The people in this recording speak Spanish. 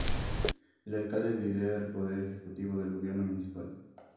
El alcalde lidera el poder ejecutivo del gobierno municipal.